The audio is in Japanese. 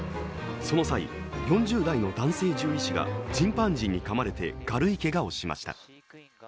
その際、４０代の男性獣医師がチンパンジーにかまれて軽いけがをしました。